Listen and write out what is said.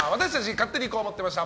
勝手にこう思ってました！